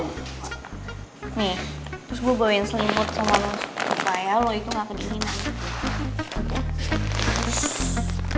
nih terus gue bawain selimut sama lo supaya lo itu gak kedinginan